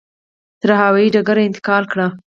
تر هوایي ډګره انتقال کړي.